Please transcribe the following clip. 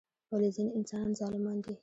ولی ځینی انسانان ظالمان دي؟